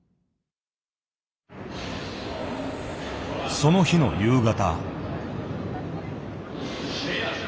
その日の夕方。